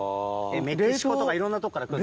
メキシコとかいろんなとこから来る。